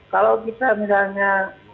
kalau kita misalnya